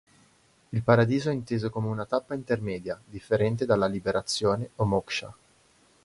Il paradiso è inteso come una tappa intermedia, differente dalla liberazione o "Mokṣa"